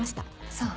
そう。